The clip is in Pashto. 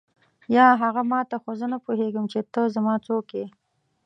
یا هغه ما ته خو زه نه پوهېږم چې ته زما څوک یې.